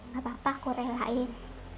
gak papa aku relain